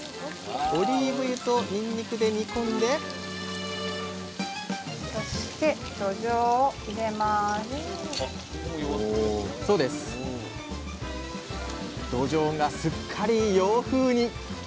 オリーブ油とにんにくで煮込んでどじょうがすっかり洋風に！